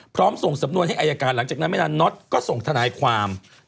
ส่งสำนวนให้อายการหลังจากนั้นไม่นานน็อตก็ส่งทนายความ